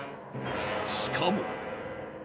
しかも。